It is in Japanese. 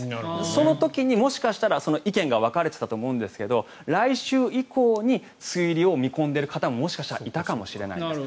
その時にもしかしたら意見が分かれていたと思うんですけど来週以降に梅雨入りを見込んでいる方ももしかしたらいたかもしれないです。